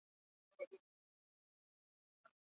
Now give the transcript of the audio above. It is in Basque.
Japoniako lau museo elkartu dira materialak elkarbanatzeko.